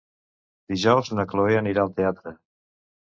Dijous na Cloè anirà al teatre.